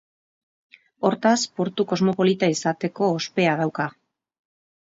Hortaz, portu kosmopolita izateko ospea dauka.